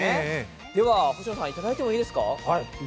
では星野さん、いただいてもいいですか。